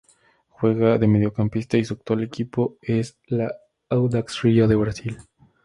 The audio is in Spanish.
Juega de mediocampista y su actual equipo es la Audax Rio de Brasil.